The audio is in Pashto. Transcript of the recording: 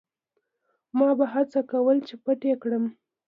ما به هڅه کوله چې پټ یې کړم.